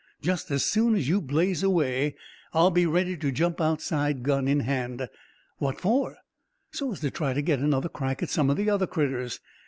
"Just as soon as you blaze away, I'll be ready to jump outside, gun in hand." "What for?" "So as to try to get another crack at some of the other critters.